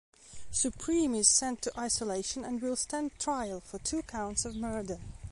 Supreme is sent to isolation and will stand trial for two counts of murder.